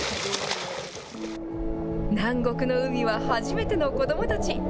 南国の海は初めての子どもたち。